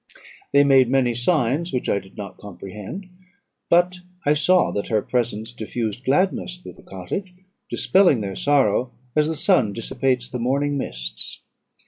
They made many signs which I did not comprehend; but I saw that her presence diffused gladness through the cottage, dispelling their sorrow as the sun dissipates the morning mists.